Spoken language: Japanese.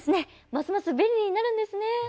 ますます便利になるんですね。